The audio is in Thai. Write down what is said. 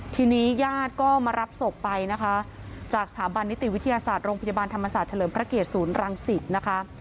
ทีนี้ญาติก็มารับศพไปนะคะจากสถาบันนิติวิทยาศาสตร์โรงพยาบาลธรรมศาสตร์เฉลิมพระเกตศูนย์รังสิตนะคะ